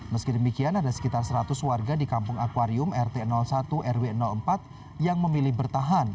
meski demikian ada sekitar seratus warga di kampung akwarium rt satu rw empat yang memilih bertahan